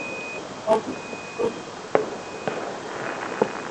Office ছুটির পর দুপুর দুটোয় বিস্ফোরণটি ঘটে।